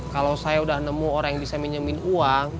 kalau saya udah nemu orang yang bisa pinjamin uang